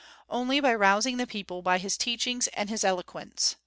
Only by rousing the people by his teachings and his eloquence.